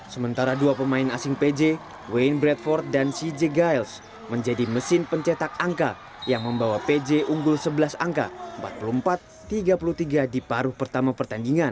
sementara dua pemain asing pj wayne bradford dan cj giles menjadi mesin pencetak angka yang membawa pj unggul sebelas angka empat puluh empat tiga puluh tiga di paruh pertama pertandingan